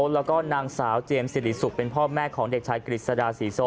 แล้วก็นางสาวเจมส์สิริสุกเป็นพ่อแม่ของเด็กชายกฤษฎาศรีโซ